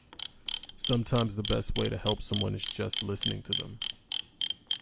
Sometimes the best way to help someone is just listening to them.